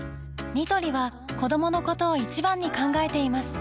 ニトリは子どものことを一番に考えています